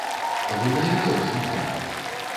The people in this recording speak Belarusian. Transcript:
Вы на якой размаўлялі?